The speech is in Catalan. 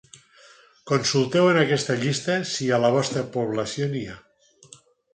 Consulteu en aquesta llista si a la vostra població n’hi ha.